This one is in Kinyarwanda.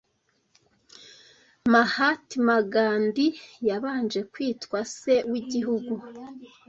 Mahatma Gandhi yabanje kwitwa 'Se w'igihugu'